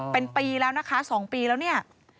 เป็นปีแล้วนะคะ๒ปีแล้วเนี่ย